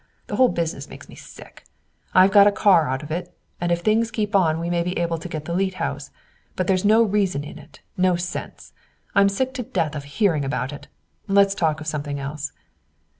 The whole business makes me sick. I've got a car out of it, and if things keep on we may be able to get the Leete house. But there's no reason in it, no sense. I'm sick to death of hearing about it. Let's talk of something else."